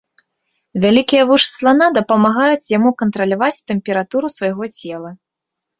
Вялікія вушы слана дапамагаюць яму кантраляваць тэмпературу свайго цела.